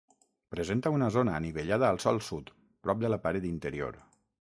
Presenta una zona anivellada al sòl sud, prop de la paret interior.